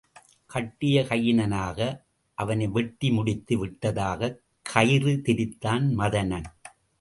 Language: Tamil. கட்டிய கையினனாக அவனை வெட்டி முடித்து விட்டதாகக் கயிறு திரித்தான் மதனன்.